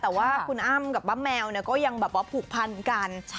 แต่ว่าคุณอ้ามกับป้าแมวก็ยังผูกพันกัน